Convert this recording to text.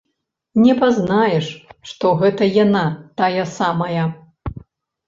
Не пазнаеш, што гэта яна тая самая.